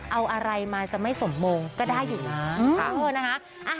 เอาอะไรมาจะไม่สมมงก็ได้อยู่นะ